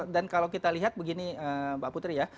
dan kalau kita lihat begini mbak putri ya